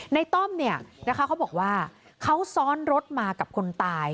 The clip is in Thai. ในต้อมเขาบอกว่าเขาซ้อนรถมากับคนตาย